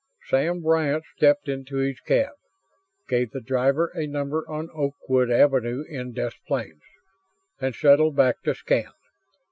Sam Bryant stepped into his cab, gave the driver a number on Oakwood Avenue in Des Plaines, and settled back to scan.